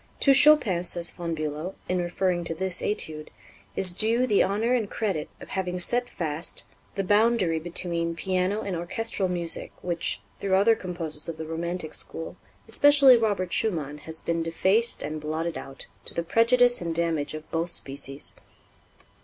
"To Chopin," says Von Bülow, in referring to this Étude, "is due the honor and credit of having set fast the boundary between piano and orchestral music which, through other composers of the romantic school, especially Robert Schumann, has been defaced and blotted out, to the prejudice and damage of both species."